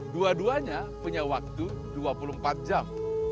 dua duanya punya waktu dua puluh empat jam